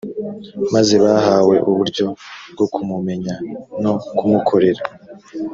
maze bahabwe uburyo bwo kumumenya no kumukorera